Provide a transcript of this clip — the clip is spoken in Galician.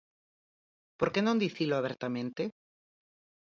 Por que non dicilo abertamente?